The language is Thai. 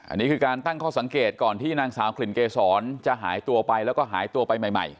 อันนี้คือการตั้งข้อสังเกตก่อนที่นางสาวกลิ่นเกษรจะหายตัวไปแล้วก็หายตัวไปใหม่